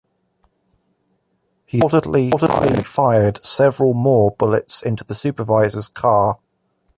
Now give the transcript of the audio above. He then reportedly fired several more bullets into the supervisor's car.